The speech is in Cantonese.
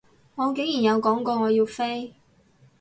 我竟然有講過我要飛？